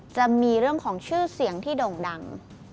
จะมีเรื่องของชื่อเสียงที่โด่งดัง